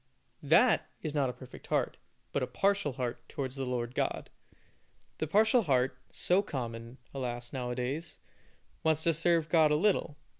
That is not a perfect heart, but a partial heart towards the Lord God. The partial heart, so common, alas, now a days, wants to serve God a little.